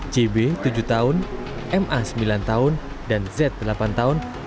cb tujuh tahun ma sembilan tahun dan z delapan tahun